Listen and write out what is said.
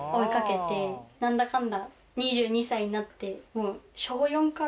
何だかんだ２２歳になって。